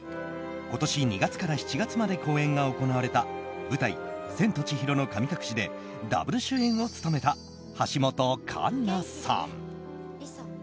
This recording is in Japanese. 今年２月から７月まで公演が行われた舞台「千と千尋の神隠し」でダブル主演を務めた橋本環奈さん。